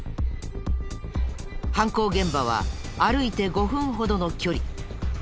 犯行現場は歩いて５分ほどの距離。